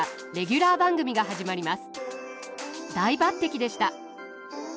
大抜てきでした。